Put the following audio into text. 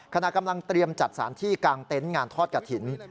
ขณะกำลังเตรียมจัดสถานที่กลางเต็นต์งานทอดกระถิ่น